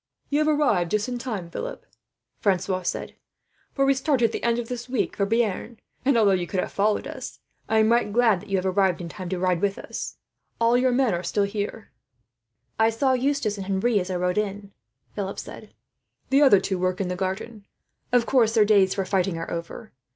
"You have just arrived in time, Philip," Francois said presently, "for we start at the end of this week for Bearn and, although you could have followed us, I am right glad that you have arrived in time to ride with us. All your men are still here." "I saw Eustace and Henri, as I rode in," Philip said. "The other two work in the garden. Of course, their days for fighting are over.